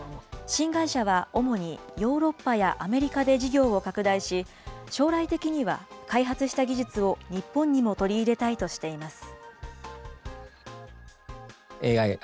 新会社は主に、ヨーロッパやアメリカで事業を拡大し、将来的には開発した技術を日本にも取り入れたいとしています。